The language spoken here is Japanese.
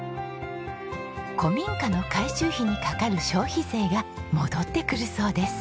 古民家の改修費にかかる消費税が戻ってくるそうです。